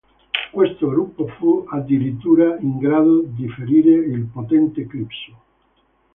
Questo gruppo fu addirittura in grado di ferire il potente Eclipso.